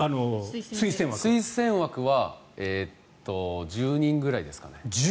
推薦枠は１０人ぐらいですかね。